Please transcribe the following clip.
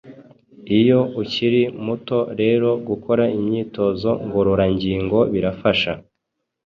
Iyo ukiri muto rero gukora imyitozo ngororangingo birafasha